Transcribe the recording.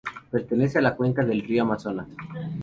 Pertenece a la cuenca del río Amazonas.